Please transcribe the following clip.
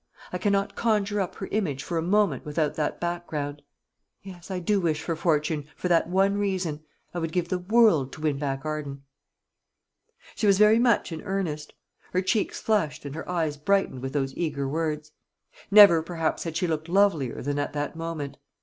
I cannot conjure up her image for a moment without that background. Yes, I do wish for fortune, for that one reason. I would give the world to win back Arden." She was very much in earnest. Her cheeks flushed and her eyes brightened with those eager words. Never perhaps had she looked lovelier than at that moment.